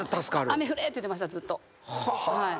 雨降れって言ってましたずっと。